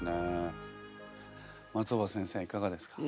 松尾葉先生いかがですか？